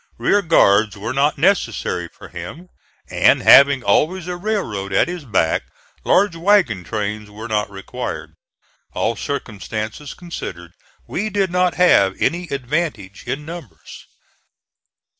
Rear guards were not necessary for him, and having always a railroad at his back, large wagon trains were not required. All circumstances considered we did not have any advantage in numbers.